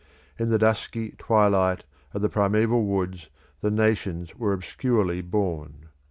In the dusky twilight of the primeval woods the nations were obscurely born.